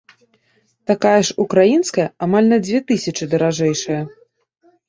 Такая ж украінская амаль на дзве тысячы даражэйшая.